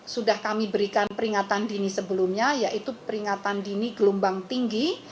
sudah kami berikan peringatan dini sebelumnya yaitu peringatan dini gelombang tinggi